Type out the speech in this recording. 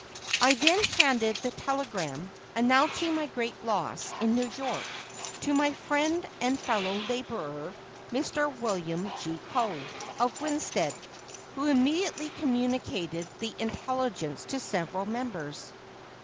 I then handed the telegram, announcing my great loss in New York, to my friend and fellow laborer, Mr. William G. Coe, of Winsted, who immediately communicated the intelligence to several members.